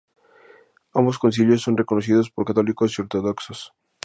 Ambos concilios son reconocidos por católicos y ortodoxos.